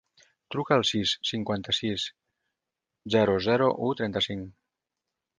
Truca al sis, cinquanta-sis, zero, zero, u, trenta-cinc.